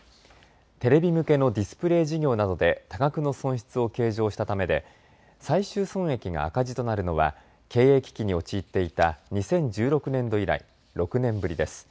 テレビ向けのディスプレー事業などで多額の損失を計上したためで最終損益が赤字となるのは経営危機に陥っていた２０１６年度以来６年ぶりです。